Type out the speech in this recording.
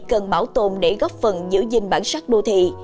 cần bảo tồn để góp phần giữ gìn bản sắc đô thị